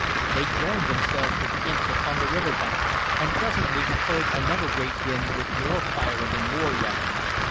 They joined themselves to the imps upon the river bank, and presently we heard another great din with more firing and more yelling.